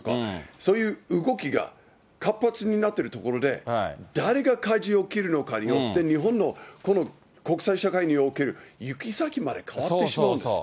そういう動きが活発になってるところで、誰がかじを切るのかによって日本のこの国際社会における行き先まで変わってしまうんです。